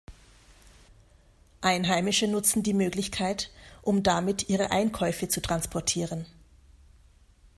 Einheimische nutzen die Möglichkeit, um damit ihre Einkäufe zu transportieren.